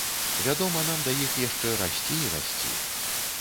Вядома, нам да іх яшчэ расці і расці.